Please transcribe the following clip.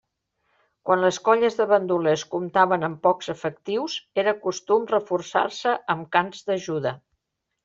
Quan les colles de bandolers comptaven amb pocs efectius, era costum reforçar-se amb cans d'ajuda.